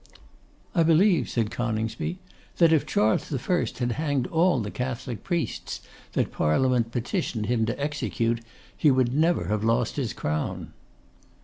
'I believe,' said Coningsby, 'that if Charles I. had hanged all the Catholic priests that Parliament petitioned him to execute, he would never have lost his crown.